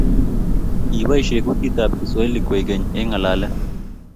kiboisien kotetab kiswahili kwekeny eng' ng'alale